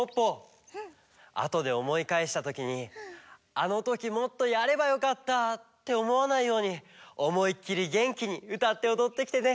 「あのときもっとやればよかった」っておもわないようにおもいっきりげんきにうたっておどってきてね！